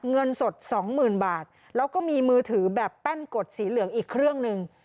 เงินสดสองหมื่นบาทแล้วก็มีมือถือแบบแป้นกดสีเหลืองอีกเครื่องหนึ่ง